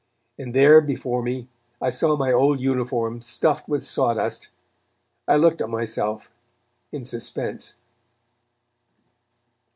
And there before me I saw my old uniform stuffed with sawdust. I looked at myself in suspense.